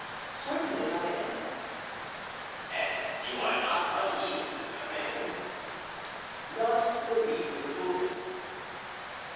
"Certainly I am." "And you are not uneasy, commander?" "Not the least little bit."